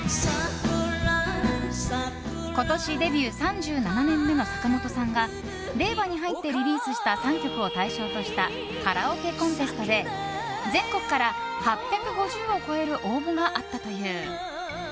今年デビュー３７年目の坂本さんが令和に入ってリリースした３曲を対象としたカラオケコンテストで全国から、８５０を超える応募があったという。